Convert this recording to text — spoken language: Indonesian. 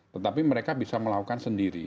tetapi mereka bisa melakukan sendiri